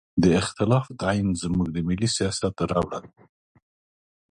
د اختلاف تعین زموږ د ملي سیاست ربړه ده.